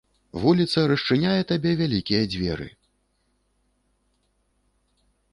Вуліца расчыняе табе вялікія дзверы.